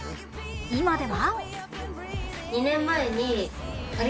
今では。